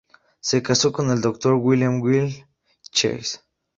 Se casó con el Dr. William Wiley Chase.